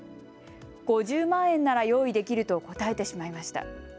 ５０万円なら用意できると答えてしまいました。